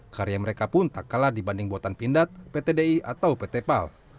karya mereka pun tak kalah dibanding buatan pindad pt di atau pt pal